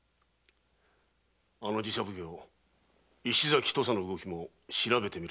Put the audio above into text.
あの寺社奉行石崎土佐の動きも調べてみる必要がありそうだな。